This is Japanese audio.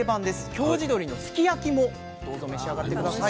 京地どりのすき焼きもどうぞ召し上がって下さい。